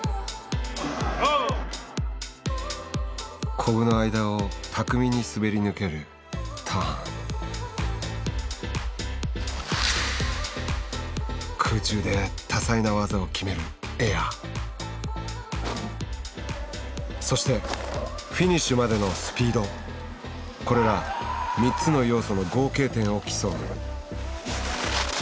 コブの間を巧みに滑り抜ける空中で多彩な技を決めるそしてフィニッシュまでのこれら３つの要素の合計点を競う。